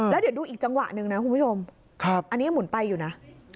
แล้วเดี๋ยวดูอีกจังหวะหนึ่งนะคุณผู้ชมอันนี้ยังหมุนไปอยู่นะ